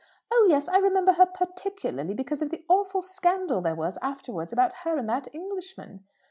Oh yes. I remember her particularly, because of the awful scandal there was afterwards about her and that Englishman."